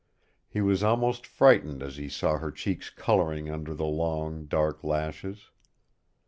He was almost frightened as he saw her cheeks coloring under the long, dark lashes.